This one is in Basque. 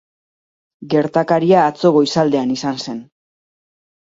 Gertakaria atzo goizaldean izan zen.